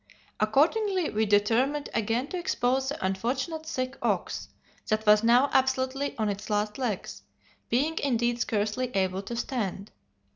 Accordingly we determined again to expose the unfortunate sick ox, that was now absolutely on its last legs, being indeed scarcely able to stand.